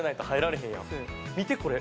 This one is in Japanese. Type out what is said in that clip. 見てこれ。